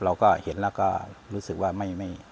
เราก็เห็นแล้วก็รู้สึกว่าไม่